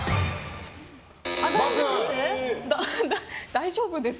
大丈夫です？